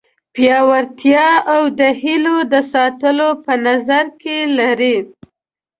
پیاوړتیا او د هیلو د ساتلو په نظر کې لري.